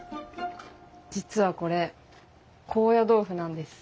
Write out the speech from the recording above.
実はこれ高野豆腐なんです。